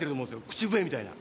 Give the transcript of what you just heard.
口笛みたいな。